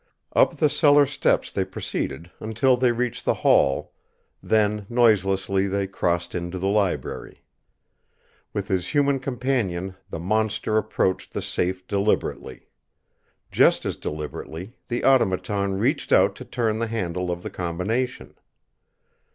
Up the cellar steps they proceeded until they reached the hall, then noiselessly they crossed into the library. With his human companion the monster approached the safe deliberately. Just as deliberately the Automaton reached out to turn the handle of the combination.